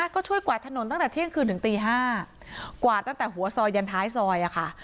ก็ช่วยกวาดถนนตั้งแต่เที่ยงคืนถึงตี๕กวาดตั้งแต่หัวซอยยันท้ายซอยค่ะ